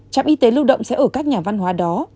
trạm y tế lưu động sẽ ở các nhà văn hóa đó